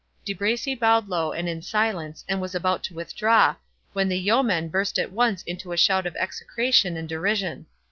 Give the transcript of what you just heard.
De Bracy bowed low and in silence, and was about to withdraw, when the yeomen burst at once into a shout of execration and derision.